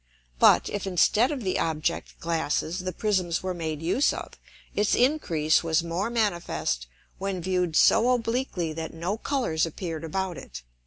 But, if instead of the Object glasses the Prisms were made use of, its Increase was more manifest when viewed so obliquely that no Colours appear'd about it.